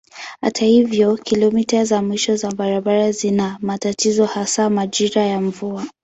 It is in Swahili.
Hata hivyo kilomita za mwisho za barabara zina matatizo hasa majira ya mvua.